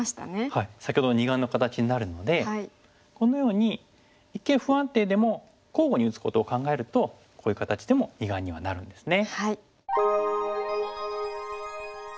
はい先ほどの二眼の形になるのでこのように一見不安定でも交互に打つことを考えるとこういう形でも二眼にはなるんですね。